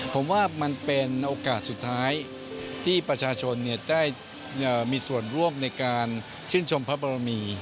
ผมว่ามันเป็นโอกาสสุดท้ายที่ประชาชนได้มีส่วนร่วมในการชื่นชมพระบรมี